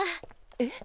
えっ？